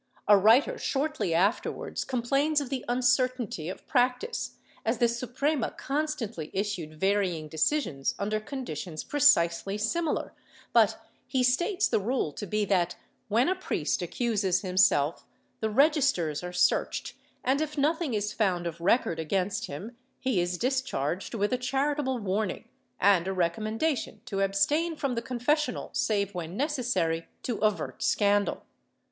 A writer shortly afterwards complains of the uncertainty of practice, as the Suprema constantly issued varying decisions under conditions precisely similar, but he states the rule to be that, when a priest accuses himself, the registers are searched and, if nothing is found of record against him, he is discharged with a charitable w^arning, and a recommendation to abstain from the confessional save when necessary to avert scan dal.